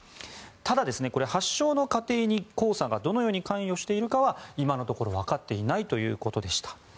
ただ、発症の過程に黄砂がどのように関与しているかは今のところ、わかっていないということでした。